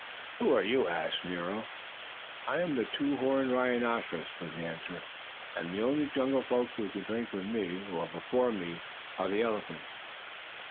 "Who are you?" asked Nero. "I am the two horned rhinoceros," was the answer. "And the only jungle folk who can drink with me, or before me, are the elephants.